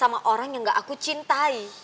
sama orang yang gak aku cintai